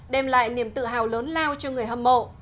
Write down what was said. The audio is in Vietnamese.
đem lại niềm tự hào lớn lao cho người hâm mộ